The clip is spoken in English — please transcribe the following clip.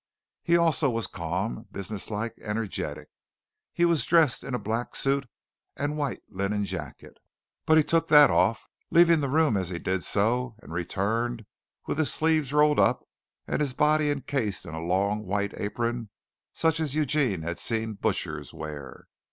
He also was calm, business like, energetic. He was dressed in a black suit and white linen jacket, but took that off, leaving the room as he did so, and returned with his sleeves rolled up and his body incased in a long white apron, such as Eugene had seen butchers wear.